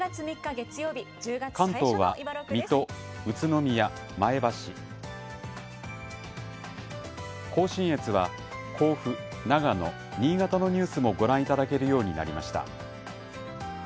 関東は水戸、宇都宮、前橋甲信越は、甲府、長野新潟のニュースもご覧いただけるようになりました。